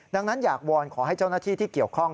ดังนั้นอยากวอนขอให้เจ้าหน้าที่ที่เกี่ยวข้อง